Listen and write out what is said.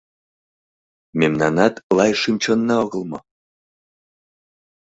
Мемнанат-лай шӱм-чонна огыл мо?